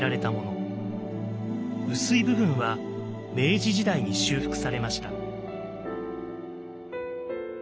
薄い部分は明治時代に修復されました。